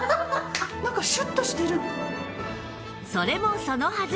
それもそのはず！